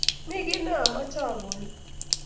mi kiy neomeche akonin